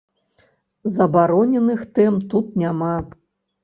Забароненых тэм тут няма.